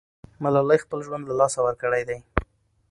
ملالۍ خپل ژوند له لاسه ورکړی دی.